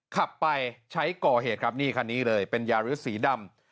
ขับไปใช้ก่อเหตุครับนี่คันนี้เลยเป็นยาริสสีดำ